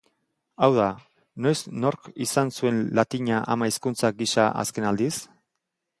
Hau da, noiz nork izan zuen latina ama hizkuntza gisa azken aldiz?